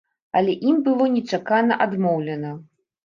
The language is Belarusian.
Але ім было нечакана адмоўлена.